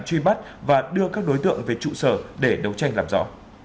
truy bắt và đưa các đối tượng về trụ sở để đấu tranh làm rõ